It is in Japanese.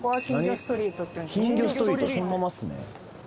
ストリートそのままっすね